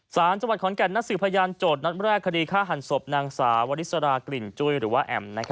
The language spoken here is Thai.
สารจังหวัดขอนแก่นนัดสืบพยานโจทย์นัดแรกคดีฆ่าหันศพนางสาววริสรากลิ่นจุ้ยหรือว่าแอ๋ม